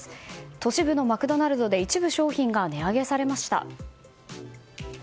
都市部のマクドナルドで一部商品が値上げされました。